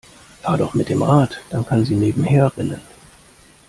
Fahr doch mit dem Rad, dann kann sie nebenher rennen.